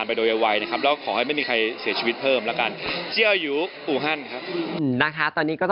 เป็นกำลังใจที่สู้ค่ะ